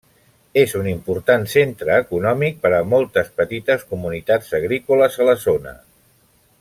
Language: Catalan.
És un important centre econòmic per a moltes petites comunitats agrícoles a la zona.